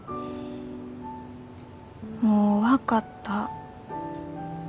もう分かった。